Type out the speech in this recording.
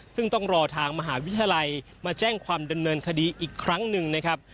ซึ่งต้องรอทางมหาวิทยาลัยมาแจ้งความดำเนินคดีอีกครั้งหนึ่งนะครับ